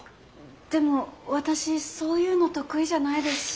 でも私そういうの得意じゃないですし。